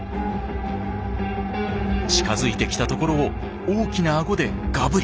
近づいてきたところを大きなアゴでガブリ！